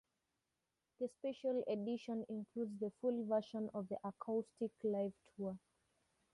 The Special Edition includes the full version of the acoustic live tour.